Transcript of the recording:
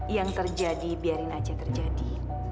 yang terjadi biarin aja terjadi